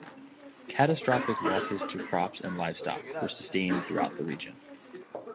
Catastrophic losses to crops and livestock were sustained throughout the region.